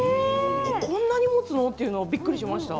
こんなにもつの？とびっくりしました。